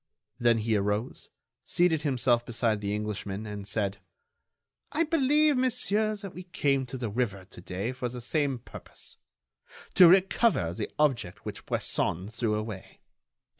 Then he arose, seated himself beside the Englishman, and said: "I believe, monsieur, that we came to the river to day for the same purpose: to recover the object which Bresson threw away.